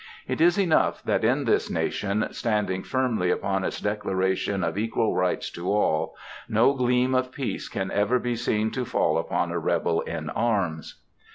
It is enough that in this nation, standing firmly upon its declaration of equal rights to all, no gleam of peace can ever be seen to fall upon a rebel in arms."